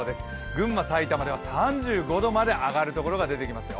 群馬、埼玉では３５度まで上がるところが出てきますよ。